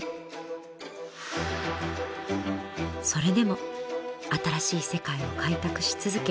それでも新しい世界を開拓し続け